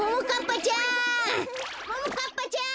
ももかっぱちゃん！